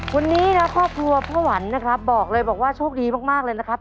วันนี้นะครอบครัวพ่อหวันนะครับบอกเลยบอกว่าโชคดีมากเลยนะครับ